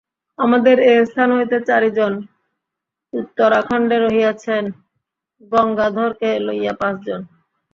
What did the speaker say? আমাদের এ স্থান হইতে চারি জন উত্তরাখণ্ডে রহিয়াছেন, গঙ্গাধরকে লইয়া পাঁচ জন।